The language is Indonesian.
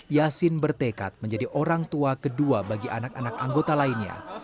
yasin bertekad menjadi orang tua kedua bagi anak anak anggota lainnya